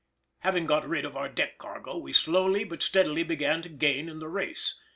Having got rid of our deck cargo, we slowly but steadily began to gain in the race.